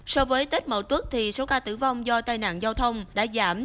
so với tết mậu tuốt thì số ca tử vong do tai nạn giao thông đã giảm